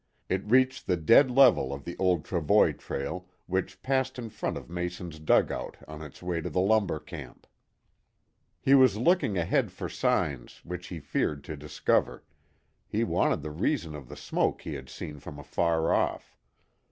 It reached the dead level of the old travoy trail, which passed in front of Mason's dugout on its way to the lumber camp. He was looking ahead for signs which he feared to discover; he wanted the reason of the smoke he had seen from afar off.